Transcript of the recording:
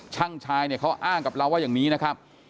ช่างชายเนี่ยเขาอ้างกับเราว่าอย่างนี้นะครับ